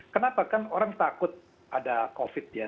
kenapa kan orang takut ada covid ya